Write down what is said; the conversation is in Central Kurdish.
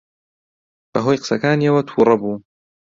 بەهۆی قسەکانیەوە تووڕە بوو.